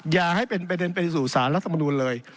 อย่าให้เป็นประเด็นไปสู่สารรัฐมนูลเลย